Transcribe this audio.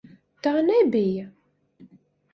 Tā nebija!